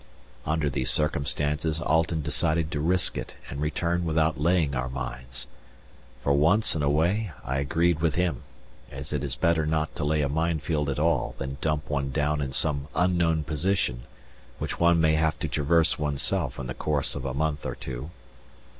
Under these circumstances Alten decided to risk it and return without laying our mines; for once in a way I agreed with him, as it is better not to lay a minefield at all than dump one down in some unknown position which one may have to traverse oneself in the course of a month or so.